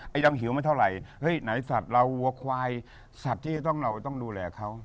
ยังหิวไม่เท่าไหร่เฮ้ยไหนสัตว์เราวัวควายสัตว์ที่จะต้องเราต้องดูแลเขา